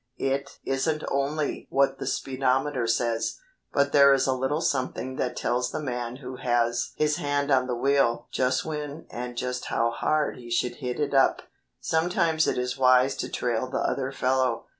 It isn't only what the speedometer says, but there is a little something that tells the man who has his hand on the wheel just when and just how hard he should hit it up. Sometimes it is wise to trail the other fellow.